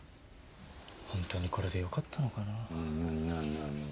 ホントにこれでよかったのかな？